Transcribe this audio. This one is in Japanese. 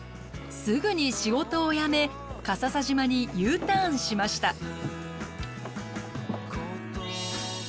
すぐに仕事を辞め笠佐島にＵターンしました。